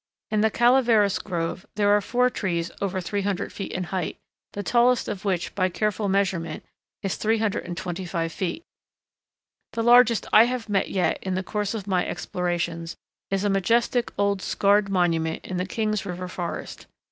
In the Calaveras Grove there are four trees over 300 feet in height, the tallest of which by careful measurement is 325 feet. The largest I have yet met in the course of my explorations is a majestic old scarred monument in the King's River forest.